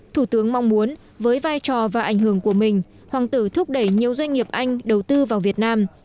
thủ tướng mong muốn với vai trò và ảnh hưởng của mình hoàng tử thúc đẩy nhiều doanh nghiệp anh đầu tư vào việt nam